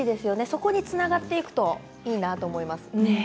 そこにつながっていくといいかなと思います。